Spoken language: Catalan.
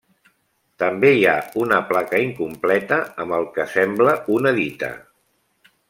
També hi ha una placa incompleta amb el que sembla una dita.